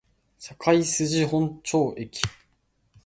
堺筋本町駅